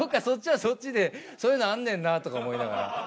そっちはそっちでそういうのあんねんなとか思いながら。